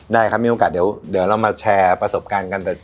ได้ครับมีโอกาสเดี๋ยวเรามาแชร์ประสบการณ์กัน